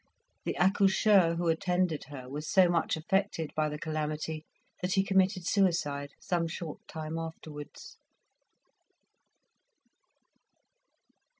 The accoucheur who attended her was so much affected by the calamity, that he committed suicide some short time afterwards.